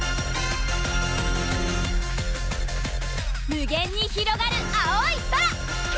無限にひろがる青い空！